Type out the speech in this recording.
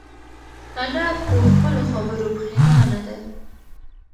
انا په خپلو خبرو پښېمانه ده.